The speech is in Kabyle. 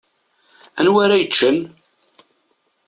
Anwa ara yeččen?